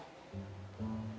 iya kalo emang pada akhirnya